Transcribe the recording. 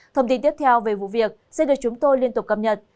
thông tin tiếp theo về vụ việc sẽ được chúng tôi liên tục cập nhật